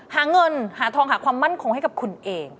หาเงินหาทองหาความมั่นคงให้กับคุณเอง